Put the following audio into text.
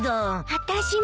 あたしも。